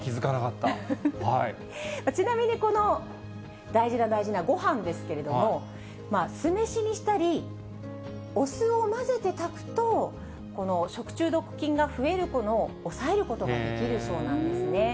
ちなみにこの、大事な大事なごはんですけれども、酢飯にしたり、お酢を混ぜて炊くと、食中毒菌が増えるのを抑えることができるそうなんですね。